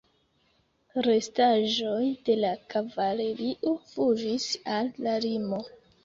Restaĵoj de la kavalerio fuĝis al la limo.